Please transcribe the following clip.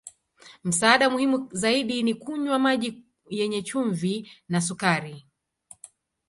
Msaada muhimu zaidi ni kunywa maji yenye chumvi na sukari.